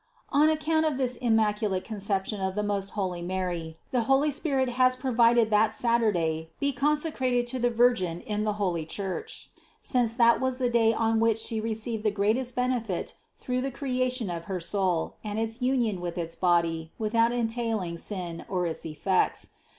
221. On account of this Immaculate Conception of most holy Mary the holy Spirit has provided that Satur day be consecrated to the Virgin in the holy Church, since that was the day on which She received the great est benefit through the creation of her soul and its union with its body without entailing sin or its effects.